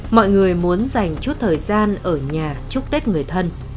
mọi người muốn dành chút thời gian ở nhà chúc tết người thân